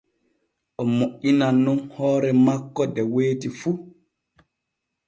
O moƴƴinan nun hoore makko de weeti fu.